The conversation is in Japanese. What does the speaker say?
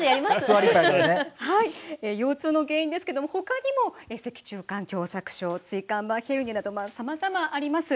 腰痛の原因ですが、他にも脊柱管狭さく症椎間板ヘルニアなどさまざまあります。